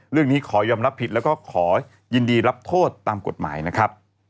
เรื่องนี้ขอยอมรับผิดแล้วก็ขอยินดีรับโทษตามกฎหมายนะครับ